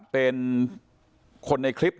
เป็นคนในคลิป